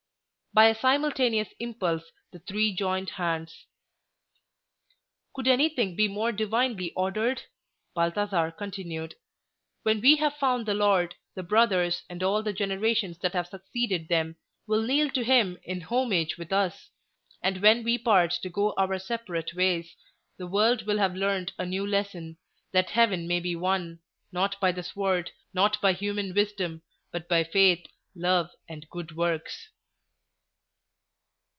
By a simultaneous impulse the three joined hands. "Could anything be more divinely ordered?" Balthasar continued. "When we have found the Lord, the brothers, and all the generations that have succeeded them, will kneel to him in homage with us. And when we part to go our separate ways, the world will have learned a new lesson—that Heaven may be won, not by the sword, not by human wisdom, but by Faith, Love, and Good Works."